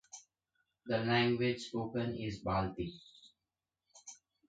The language spoken is Balti.